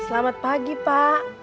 selamat pagi pak